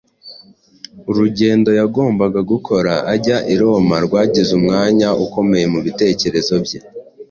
Urugendo yagombaga gukora ajya i Roma rwagize umwanya ukomeye mu bitekerezo bye.